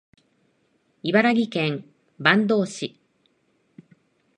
茨城県坂東市